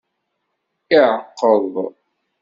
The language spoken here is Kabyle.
Iɛeqqeḍ.